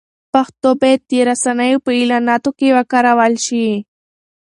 پښتو باید د رسنیو په اعلاناتو کې وکارول شي.